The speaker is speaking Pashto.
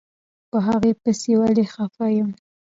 په هغې پسې ولې خپه يم.